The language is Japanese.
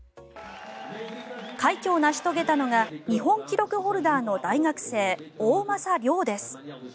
快挙を成し遂げたのが日本記録ホルダーの大学生大政涼です。